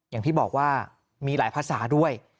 อย่างที่บอกว่ามีหลายภาษาด้วย